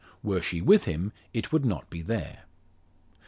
Were she with him it would not be there.